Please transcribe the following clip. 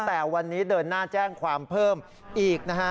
แต่วันนี้เดินหน้าแจ้งความเพิ่มอีกนะฮะ